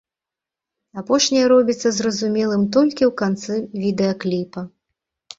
Апошняе робіцца зразумелым толькі ў канцы відэакліпа.